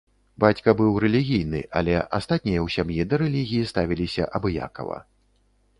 Бацька быў рэлігійны, але астатнія ў сям'і да рэлігіі ставіліся абыякава.